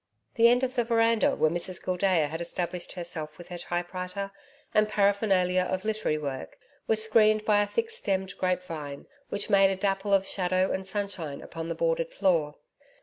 The end of the veranda, where Mrs Gildea had established herself with her type writer and paraphernalia of literary work, was screened by a thick stemmed grape vine, which made a dapple of shadow and sunshine upon the boarded floor.